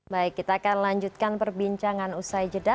baik kita akan lanjutkan perbincangan usai jeda